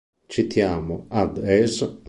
Citiamo ad es.